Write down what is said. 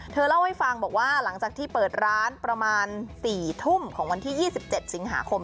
เธอเล่าให้ฟังบอกว่าหลังจากที่เปิดร้านประมาณ๔ทุ่มของวันที่๒๗สิงหาคม